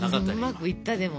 うまくいったでも。